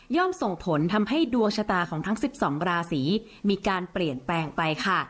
ส่งผลทำให้ดวงชะตาของทั้ง๑๒ราศีมีการเปลี่ยนแปลงไปค่ะ